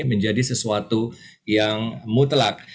menjadi sesuatu yang mutlak